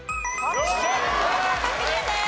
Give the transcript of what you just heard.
大阪クリアです。